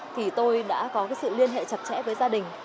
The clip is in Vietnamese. thì tôi đã có sự liên hệ chặt chẽ với gia đình